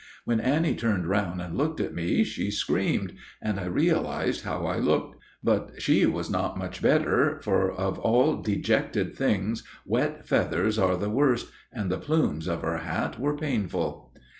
When Annie turned round and looked at me she screamed, and I realized how I looked; but she was not much better, for of all dejected things wet feathers are the worst, and the plumes in her hat were painful.